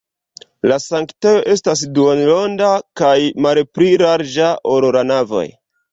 La sanktejo estas duonronda kaj malpli larĝa, ol la navoj.